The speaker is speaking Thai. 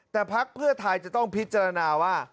แต่พักเพื่อไทยจะต้องพิจารณาว่า